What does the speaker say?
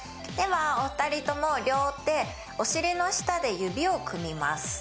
ではお二人とも両手、お尻の下で指を組みます。